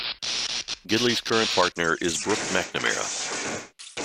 Gidley's current partner is Brooke McNamara.